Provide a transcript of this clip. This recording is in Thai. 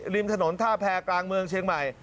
ริมถนนท่าแพรกลางเมืองเชียงใหม่